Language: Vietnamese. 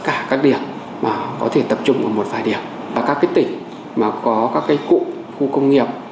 cả các địa mà có thể tập trung ở một vài địa và các cái tỉnh mà có các cái cụ khu công nghiệp